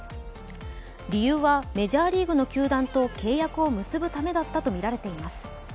理由はメジャーリーグの球団と契約を結ぶためだったといいます。